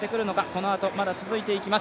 このあと、まだ続いていきます。